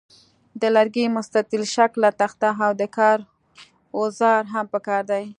د لرګي مستطیل شکله تخته او د کار اوزار هم پکار دي.